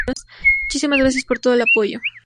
Muchísimas gracias por todo el apoyo!